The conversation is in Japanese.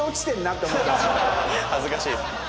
恥ずかしいです。